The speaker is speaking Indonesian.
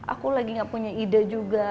aku lagi gak punya ide juga